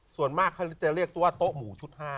ส่วนมากเขาจะเรียกตัวโต๊ะหมูชุด๕